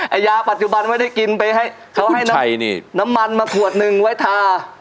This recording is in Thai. ยาปัจจุบันไม่ได้กินไปให้เขาให้น้ำมันมาขวดหนึ่งไว้ทา